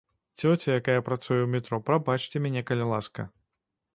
Цёця, якая працуе ў метро, прабачце мяне, калі ласка.